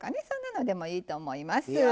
そんなのでもいいと思います。